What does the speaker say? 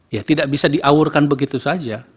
ya tidak bisa diaurkan begitu saja